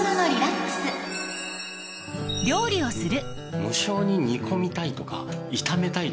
［料理をする］